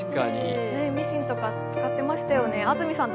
ミシンとか使ってましたよね。